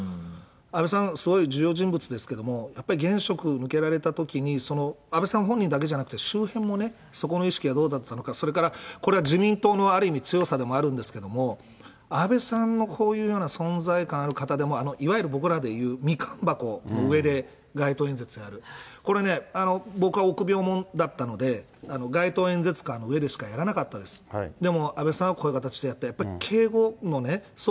安倍さん、そういう重要人物ですけれども、やっぱり現職抜けられたときに、安倍さん本人だけじゃなくて、周辺もね、そこの意識はどうだったのか、それから、これは自民党のある意味強さでもあるんですけれども、安倍さんのこういうような存在感ある方でも、いわゆる僕らでいうみかん箱の上で街頭演説をやる、これね、僕は臆病者だったので、街頭演説かんの上でしかやらなかったです、でも、安倍さんはこういう形でやった。